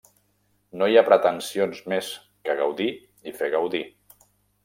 No hi ha pretensions més que gaudir i fer gaudir.